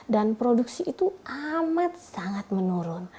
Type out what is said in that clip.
produksi itu amat sangat menurun